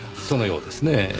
そのようですねぇ。